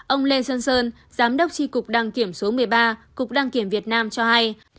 ông lê sơn sơn giám đốc tri cục đăng kiểm số một mươi ba cục đăng kiểm việt nam cho hay